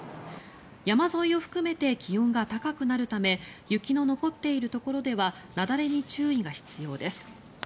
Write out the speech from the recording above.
山沿いを含めて気温が高くなるため雪の残っているところでは雪崩に注意が必要です。